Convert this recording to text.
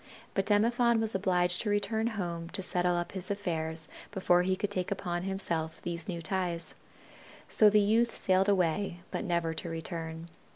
But Demophon was obliged to return home to settle up his affairs before he could take upon himself these new ties. So the youth sailed away, but never to return.